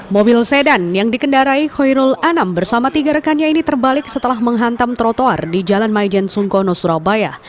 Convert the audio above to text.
mobil sedan yang dikendarai khoirul anam bersama tiga rekannya ini terbalik setelah menghantam trotoar di jalan maijen sungkono surabaya